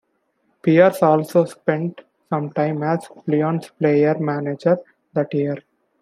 Pierce also spent some time as Leon's player-manager that year.